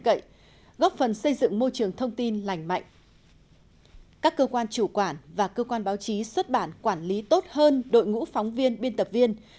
các cơ quan chủ quản và cơ quan báo chí xuất bản quản lý tốt hơn đội ngũ phóng viên biên tập viên